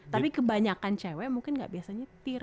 tapi kebanyakan cewe mungkin gak biasa nyetir